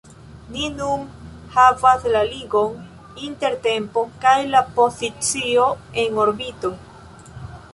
Ni nun havas la ligon inter tempo kaj la pozicio en orbito.